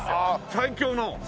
最強の。